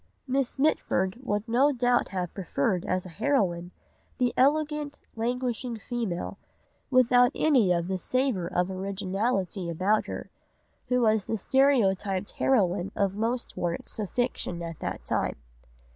Miss Mitford would no doubt have preferred as a heroine the elegant languishing female, without any of the savour of originality about her, who was the stereotyped heroine of most works of fiction at that time.